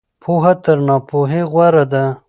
پوهه تر ناپوهۍ غوره ده.